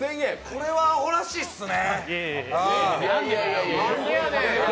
これはあほらしいっすね。